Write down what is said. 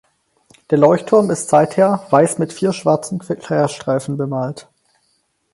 Der Leuchtturm ist seither weiß mit vier schwarzen Querstreifen bemalt.